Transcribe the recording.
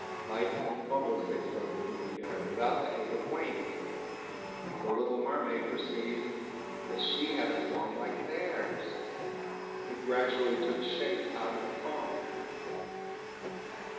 Light as bubbles they floated through the air without the aid of wings. The little mermaid perceived that she had a form like theirs, it gradually took shape out of the foam.